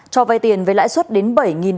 cho vay tiền với lãi suất đến tỉnh nam định